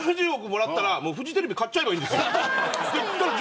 もらったらフジテレビ買っちゃえばいいんですよ。